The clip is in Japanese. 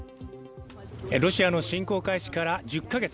ロシアの侵攻開始から１０か月。